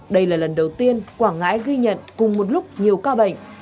đây là lần đầu tiên quảng ngãi ghi nhận cùng một lúc nhiều ca bệnh